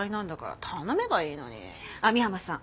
網浜さん